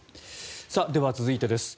では、続いてです。